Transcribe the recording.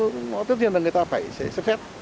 thì tất nhiên người ta sẽ xét phép